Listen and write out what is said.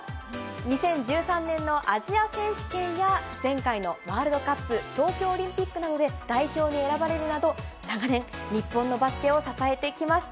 ２０１３年のアジア選手権や前回のワールドカップ、東京オリンピックなどで代表に選ばれるなど、長年、日本のバスケを支えてきました。